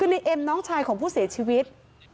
คือในเอ็มน้องชายของผู้เสียชีวิต